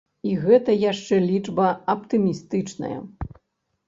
І гэта яшчэ лічба аптымістычная.